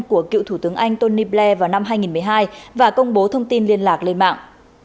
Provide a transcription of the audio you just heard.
của cựu thủ tướng anh tony blade vào năm hai nghìn một mươi hai và công bố thông tin liên lạc lên mạng